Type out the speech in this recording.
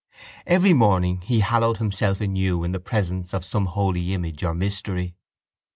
Every morning he hallowed himself anew in the presence of some holy image or mystery.